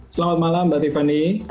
selamat malam mbak tiffany